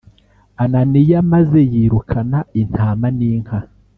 Ananiya maze yirukana intama n’ inka